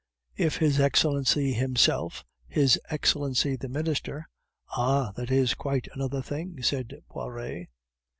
"If his Excellency himself, his Excellency the Minister... Ah! that is quite another thing," said Poiret.